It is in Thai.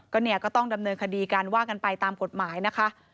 ก็ต้องดำเนินคดีการว่ากันไปตามกฎหมายนะคะ